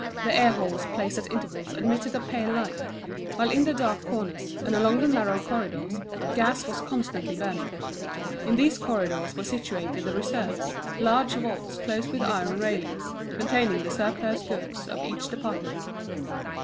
The air holes placed at intervals admitted a pale light; while in the dark corners, and along the narrow corridors, gas was constantly burning. In these corridors were situated the reserves, large vaults closed with iron railings, containing the surplus goods of each department.